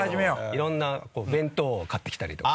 いろんな弁当を買ってきたりとか。